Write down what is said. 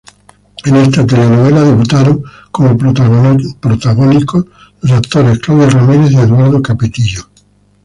En esta telenovela debutaron como protagónicos los actores Claudia Ramírez y Eduardo Capetillo.